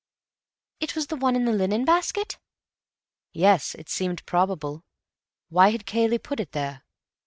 "It was the one in the linen basket?" "Yes. It seemed probable. Why had Cayley put it there?